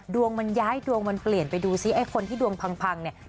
ดวงมันย้ายดวงมันเปลี่ยนไปดูซิไอ้คนที่ดวงพังเนี่ย